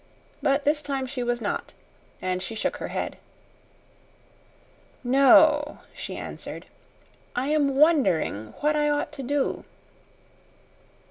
But this time she was not, and she shook her head. "No," she answered. "I am wondering what I ought to do."